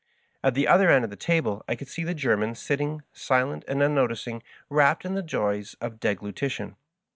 At the other end of the table I could see the German sitting silent and unnoticing, rapt in the joys of deglutition.